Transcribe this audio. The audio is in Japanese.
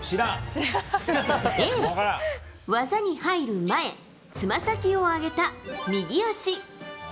Ａ、技に入る前つま先を上げた右足。